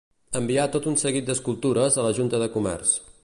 Envià tot un seguit d'escultures a la Junta de Comerç.